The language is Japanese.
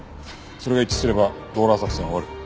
それが一致すればローラー作戦は終わる。